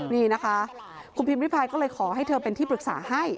นี่นะคะคุณพิมพิพายก็เลยขอให้เธอเป็นที่ปรึกษาให้